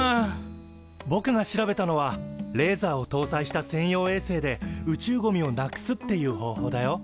ぼくが調べたのはレーザーをとうさいした専用衛星で宇宙ゴミをなくすっていう方法だよ。